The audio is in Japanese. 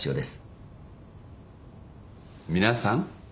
皆さん。